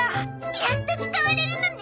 やっと使われるのね！